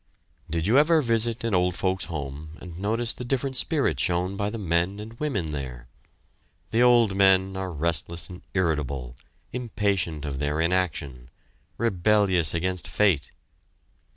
Did you ever visit an old folks' home and notice the different spirit shown by the men and women there? The old men are restless and irritable; impatient of their inaction; rebellious against fate.